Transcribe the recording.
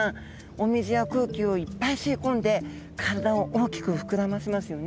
お水や空気をいっぱい吸い込んで体を大きく膨らませますよね。